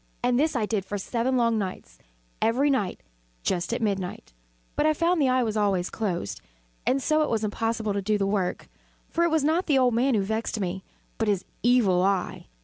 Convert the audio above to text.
And this I did for seven long nights every night just at midnight but I found the eye always closed; and so it was impossible to do the work; for it was not the old man who vexed me, but his Evil Eye.